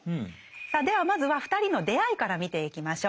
さあではまずは２人の出会いから見ていきましょう。